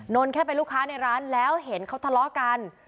นนแค่เป็นลูกค้าในร้านแล้วเห็นเขาทะเลาะกัน